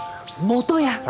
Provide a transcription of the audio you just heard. もとやん！